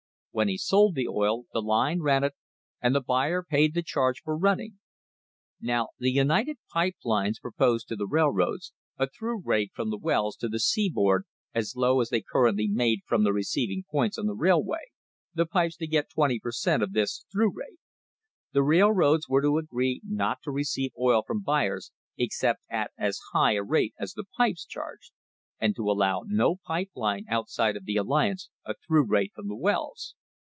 When he sold the oil, the line ran it, and the buyer paid the charge for running. Now the United Pipe Lines proposed to the railroads a through rate from the wells to the seaboard as low as they currently made from the receiving points on the railway, the pipes to get twenty per cent, of this through rate. The rail roads were to agree not to receive oil from buyers except at as high a rate as the pipes charged; and to allow no pipe line outside of the alliance a through rate from the wells.